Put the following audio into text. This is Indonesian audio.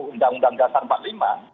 undang undang dasar empat puluh lima